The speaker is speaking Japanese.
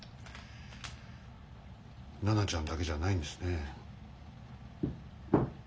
奈々ちゃんだけじゃないんですね。